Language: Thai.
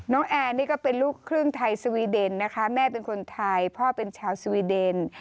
แอร์นี่ก็เป็นลูกครึ่งไทยสวีเดนนะคะแม่เป็นคนไทยพ่อเป็นชาวสวีเดน